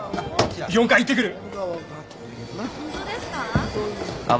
４階行ってくる。